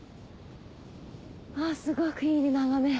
あっすごくいい眺め。